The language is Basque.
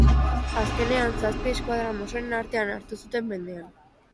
Azkenean, zazpi esquadra mossoren artean hartu zuten mendean.